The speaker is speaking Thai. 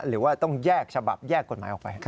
หรือว่าต้องแยกฉบับแยกกฎหมายออกไป